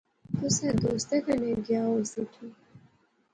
کسے دوستے کنے گا ہوسی اٹھی